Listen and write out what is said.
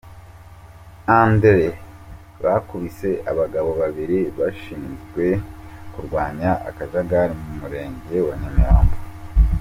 André bakubise abagabo babiri bashinzwe kurwanya akajagari mu Murenge wa Nyamirambo.